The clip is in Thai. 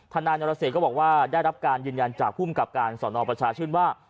นายนรเศษก็บอกว่าได้รับการยืนยันจากภูมิกับการสอนอประชาชื่นว่า